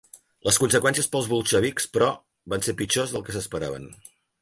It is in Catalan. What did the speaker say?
Les conseqüències per als bolxevics, però, van ser pitjors del que s'esperaven.